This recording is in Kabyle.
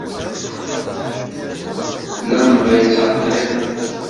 Lamba yettreqriqen.